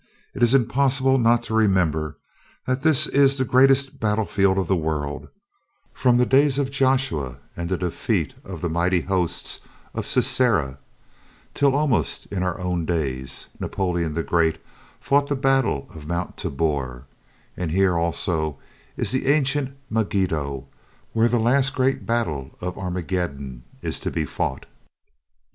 . it is impossible not to remember that this is the greatest battlefield of the world, from the days of Joshua and the defeat of the mighty hosts of Sisera, till, almost in our own days, Napoleon the Great fought the battle of Mount Tabor; and here also is the ancient Megiddo, where the last great battle of Armageddon is to be fought."